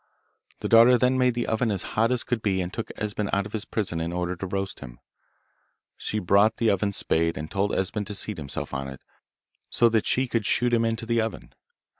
The daughter then made the oven as hot as could be, and took Esben out of his prison in order to roast him. She brought the oven spade, and told Esben to seat himself on it, so that she could shoot him into the oven.